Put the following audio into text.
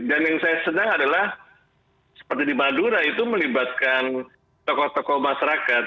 dan yang saya senang adalah seperti di madura itu melibatkan tokoh tokoh masyarakat